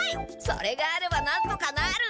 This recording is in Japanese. それがあればなんとかなる！